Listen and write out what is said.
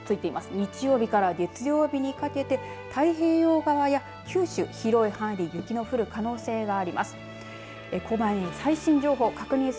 日曜日から月曜日にかけて太平洋側や九州、広い範囲で雪の降る可能性があります。